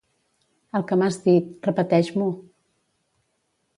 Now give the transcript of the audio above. El que m'has dit, repeteix-m'ho.